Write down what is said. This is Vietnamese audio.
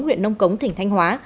huyện nông cống tỉnh thanh hóa